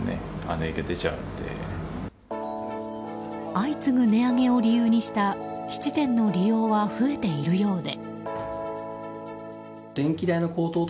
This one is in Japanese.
相次ぐ値上げを利用にした質店の利用は増えているようで。